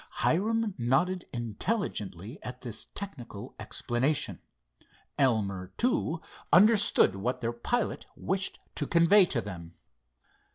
Hiram nodded intelligently at this technical explanation. Elmer, too, understood what their pilot wished to convey to them.